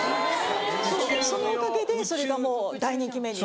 そうそのおかげでそれがもう大人気メニューでね